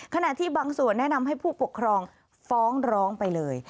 ขณะที่บางส่วนแนะนำให้ผู้ปกครองฟ้องร้องไปเลย